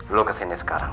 kamu kesini sekarang